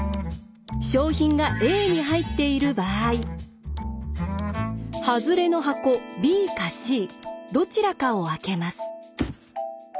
賞品がＡに入っている場合ハズレの箱ＢかＣどちらかを開けます。